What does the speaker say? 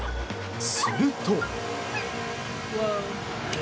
すると。